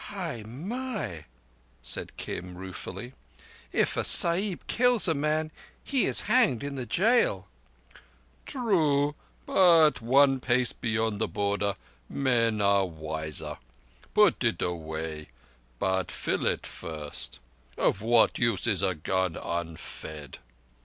"Hai mai!" said Kim ruefully. "If a Sahib kills a man he is hanged in the jail." "True: but one pace beyond the Border, men are wiser. Put it away; but fill it first. Of what use is a gun unfed?"